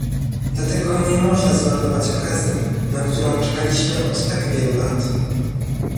Dlatego nie można zmarnować okazji, na którą czekaliśmy od tak wielu lat